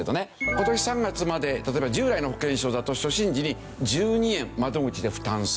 今年３月まで例えば従来の保険証だと初診時に１２円窓口で負担する。